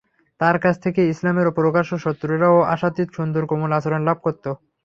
তাঁর কাছ থেকে ইসলামের প্রকাশ্য শত্রুরাও আশাতীত সুন্দর কোমল আচরণ লাভ করত।